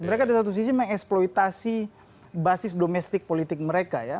mereka di satu sisi mengeksploitasi basis domestik politik mereka ya